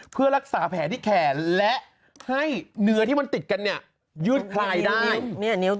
เพื่อรักษาแผลที่แขนและให้เนื้อที่มันติดกันเนี่ยยืดคลายได้